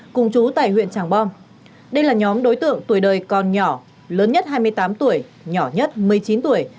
cùng chú tại huyện tràng bom đây là nhóm đối tượng tuổi đời còn nhỏ lớn nhất hai mươi tám tuổi nhỏ nhất một mươi chín tuổi